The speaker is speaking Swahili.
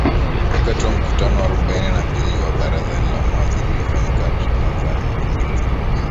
Wakati wa mkutano wa arubaini na mbili wa Baraza la Mawaziri uliofanyika Arusha, Tanzania wiki mbili zilizopita